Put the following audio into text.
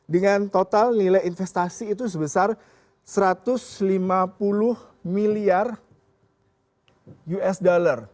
dengan total nilai investasi itu sebesar satu ratus lima puluh miliar usd